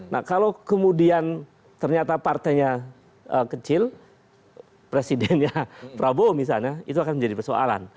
nah kalau kemudian ternyata partainya kecil presidennya prabowo misalnya itu akan menjadi persoalan